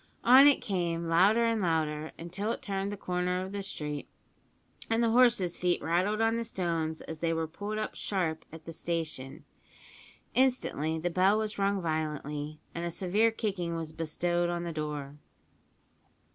On it came, louder and louder, until it turned the corner of the street, and the horses' feet rattled on the stones as they were pulled up sharp at the station. Instantly the bell was rung violently, and a severe kicking was bestowed on the door.